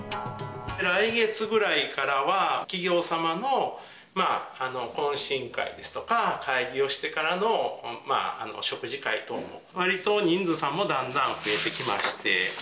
来月ぐらいからは、企業様の懇親会ですとか、会議をしてからの食事会等も、わりと人数さんもだんだん増えてきまして。